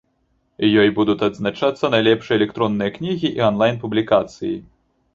Ёй будуць адзначацца найлепшыя электронныя кнігі і онлайн-публікацыі.